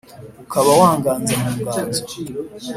ukaba wanganza mu nganzo